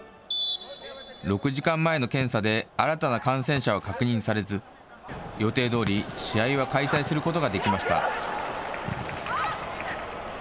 ６時間前の検査で新たな感染者は確認されず、予定どおり試合は開催することができました。